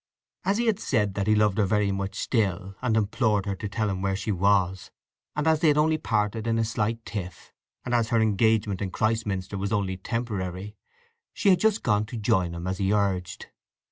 As he had said that he loved her very much still, and implored her to tell him where she was, and as they had only parted in a slight tiff, and as her engagement in Christminster was only temporary, she had just gone to join him as he urged.